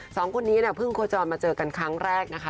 สองคนนี้เนี่ยเพิ่งโคจรมาเจอกันครั้งแรกนะคะ